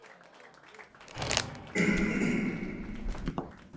Marie y el nombre del pueblo derivó de allí.